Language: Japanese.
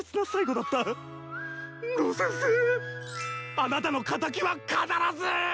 あなたの敵は必ず！